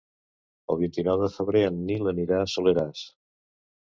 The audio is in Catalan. El vint-i-nou de febrer en Nil anirà al Soleràs.